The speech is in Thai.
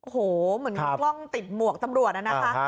โอ้โหเหมือนกล้องติดหมวกตำรวจนะคะ